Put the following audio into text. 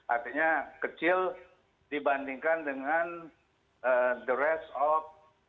artinya kecil dibandingkan dengan the red of